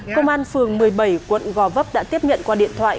công an phường một mươi bảy quận gò vấp đã tiếp nhận qua điện thoại